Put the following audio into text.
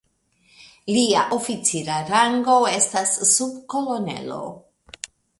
Lia oficira rango estis subkolonelo.